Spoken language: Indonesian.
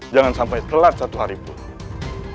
jangan sampai telat satu hari pun